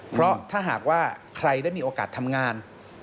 เพราะถ้าหากว่าใครได้มีโอกาสทำงาน